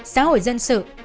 xã hội dân sự